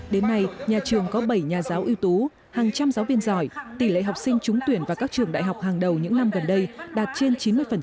đến nay nhà trường có bảy nhà giáo ưu tú hàng trăm giáo viên giỏi tỷ lệ học sinh trúng tuyển vào các trường đại học hàng đầu những năm gần đây đạt trên chín mươi